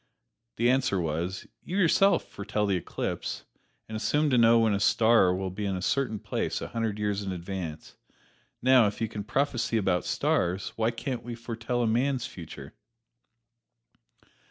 The answer was, "You yourself foretell the eclipse, and assume to know when a star will be in a certain place a hundred years in advance; now, if you can prophesy about stars, why can't we foretell a man's future?"